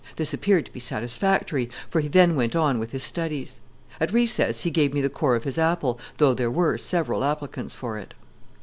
This appeared to be satisfactory, for he then went on with his studies. At recess he gave me the core of his apple, though there were several applicants for it.